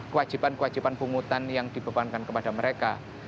kewajiban kewajiban pungutan yang dibebankan kepada mereka